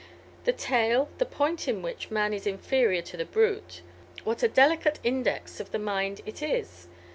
The tail, the point in which man is inferior to the brute, what a delicate index of the mind it is!